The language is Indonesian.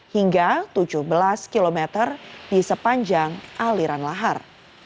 hingga tujuh belas km di sepanjang aliran lahar